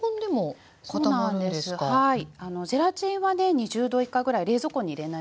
はい